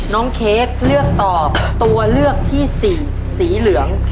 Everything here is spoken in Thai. เค้กเลือกตอบตัวเลือกที่สี่สีเหลือง